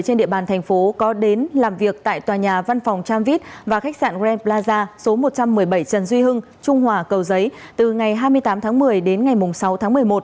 trên địa bàn thành phố có đến làm việc tại tòa nhà văn phòng tramvit và khách sạn green plaza số một trăm một mươi bảy trần duy hưng trung hòa cầu giấy từ ngày hai mươi tám tháng một mươi đến ngày sáu tháng một mươi một